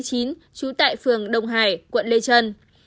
trú tại phường đông hải quận lê trân